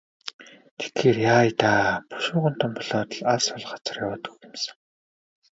Тэгэхээр яая даа, бушуухан том болоод л алс хол газар яваад өгөх юм сан.